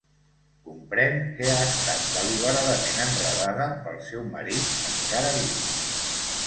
Comprèn que ha estat deliberadament enredada pel seu marit, encara viu.